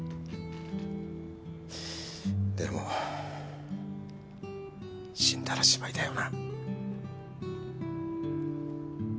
でも死んだらしまいだよな。